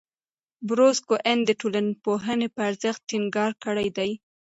بروس کوئن د ټولنپوهنې په ارزښت ټینګار کړی دی.